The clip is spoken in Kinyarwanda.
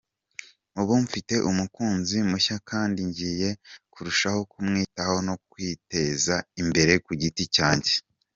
Ubu mfite umukunzi mushya kandi ngiye kurushaho kumwitaho no kwiteza imbere ku giti cyanjye.